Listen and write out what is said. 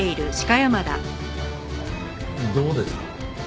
どうですか？